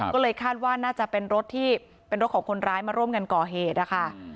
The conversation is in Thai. ก็เลยคาดว่าน่าจะเป็นรถที่เป็นรถของคนร้ายมาร่วมกันก่อเหตุนะคะ